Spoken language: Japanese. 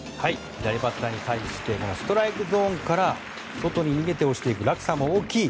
左バッターに対してストライクゾーンから外に逃げて落ちていく落差が大きい。